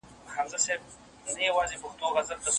جهالت که دي متل وي زه به څنګه غزل لیکم